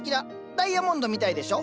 ダイヤモンドみたいでしょ。